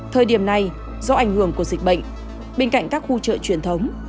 thời điểm này do ảnh hưởng của dịch bệnh bên cạnh các khu chợ truyền thống